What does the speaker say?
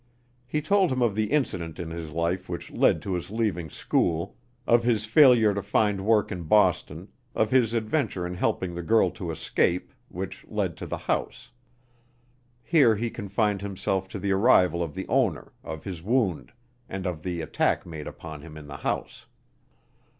He told him of the incident in his life which led to his leaving school, of his failure to find work in Boston, of his adventure in helping the girl to escape, which led to the house. Here he confined himself to the arrival of the owner, of his wound, and of the attack made upon him in the house.